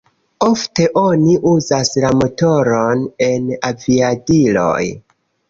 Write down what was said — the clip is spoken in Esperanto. Ofte oni uzas la motoron en aviadiloj.